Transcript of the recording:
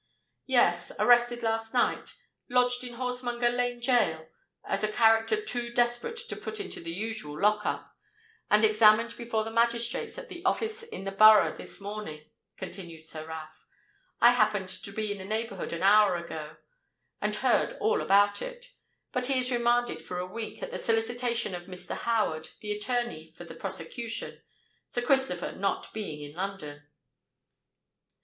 "Yes—arrested last night—lodged in Horsemonger Lane Gaol, as a character too desperate to put into the usual lock up—and examined before the Magistrates at the office in the Borough this morning," continued Sir Ralph. "I happened to be in the neighbourhood an hour ago, and heard all about it. But he is remanded for a week, at the solicitation of Mr. Howard, the attorney for the prosecution, Sir Christopher not being in London.